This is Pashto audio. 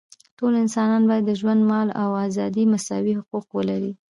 ټول انسانان باید د ژوند، مال او ازادۍ مساوي حقونه ولري.